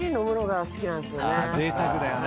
ぜいたくだよね。